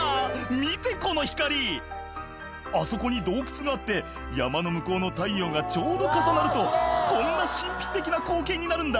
見てこの光」「あそこに洞窟があって山の向こうの太陽がちょうど重なるとこんな神秘的な光景になるんだ」